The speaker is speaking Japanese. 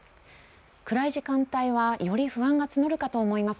暗い時間帯はより不安が募るかと思います。